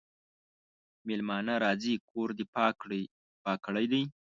مېلمانه راځي کور دي پاک کړی دی؟